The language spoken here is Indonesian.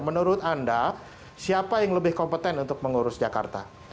menurut anda siapa yang lebih kompeten untuk mengurus jakarta